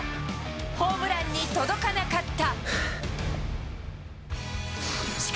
ホームランに届かなかった。